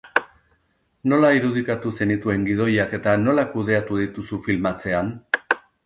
Nola irudikatu zenituen gidoiak eta nola kudeatu dituzu filmatzean?